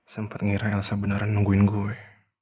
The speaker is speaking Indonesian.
sempat ngira elsa beneran nungguin gue